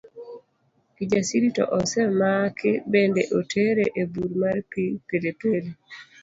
Kijasiri to osemaki kendo otere e bur mar pi Pilipili.